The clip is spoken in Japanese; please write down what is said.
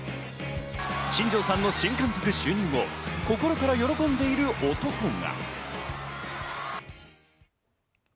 新庄さんの新監督就任を心から喜んでいる男が。